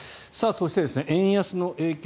そして円安の影響